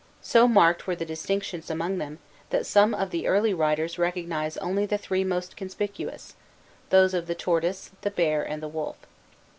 So marked were the distinctions among them, that some of the early writers recognize only the three most conspicuous, those of the Tortoise, the Bear, and the Wolf.